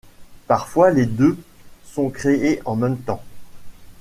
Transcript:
Parfois les deux sont créés en même temps.